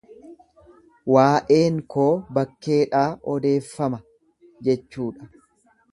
Waa'een koo bakkeedhaa odeeffama jechuudha.